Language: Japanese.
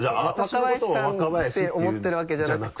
若林さんって思ってるわけじゃなくて。